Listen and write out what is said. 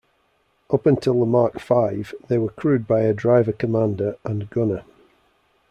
Up until the Mark V, they were crewed by a driver-commander and gunner.